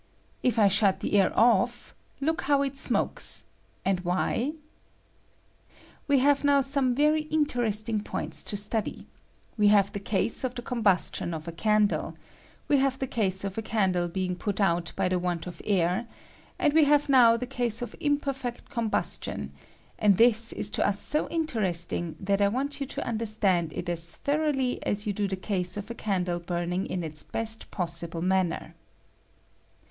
If I shut the air off, look how it smokes ; and why ? "We have now some very interesting points to study : we have the case of the combustion of a candle; we have the case of a candle being put out by the want of air ; and we have now the case of imperfect combustion, and this is to us so interesting that I want you to understand it as thoroughly as you do the case of a candle burning in ita best possible manner.